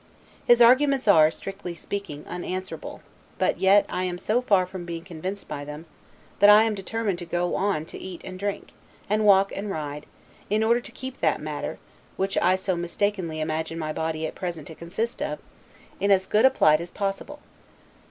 His arguments are, strictly speaking, unanswerable; but yet I am so far from being convinced by them, that I am determined to go on to eat and drink, and walk and ride, in order to keep that MATTER, which I so mistakenly imagine my body at present to consist of, in as good plight as possible.